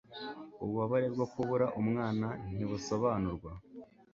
Ububabare bwo kubura umwana ntibusobanurwa